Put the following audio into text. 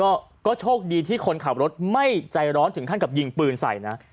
ก็โชคดีที่คนขับรถไม่ใจร้อนถึงขั้นกับยิงปืนใส่นะ